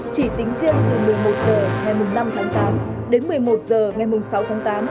chỉ tính riêng từ một mươi một h ngày năm tháng tám đến một mươi một h ngày sáu tháng tám